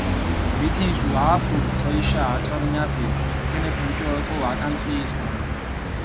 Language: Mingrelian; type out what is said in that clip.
მითინს ვა აფუდჷ თოლიშა აწორინაფილი, თენეფი მუჭო ოკო აკანწყიისკონ.